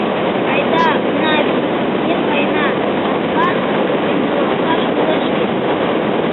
Айда, Унави, ме каена... каслан ямдылалташ кӱлеш вет.